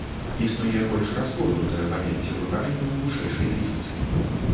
Існуе больш разгорнутае паняцце выпарэння ў вышэйшай фізіцы.